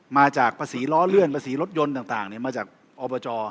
มาจากภาษีล้อเลื่อนภาษีรถยนต์ต่างมาจากอบจ